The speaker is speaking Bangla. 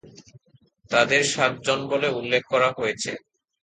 তাদের সাত জন বলে উল্লেখ করা হয়েছে।